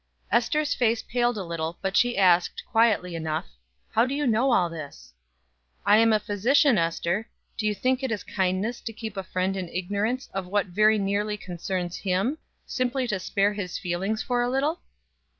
Ester's face paled a little, but she asked, quietly enough: "How do you know all this?" "I am a physician, Ester. Do you think it is kindness to keep a friend in ignorance of what very nearly concerns him, simply to spare his feelings for a little?"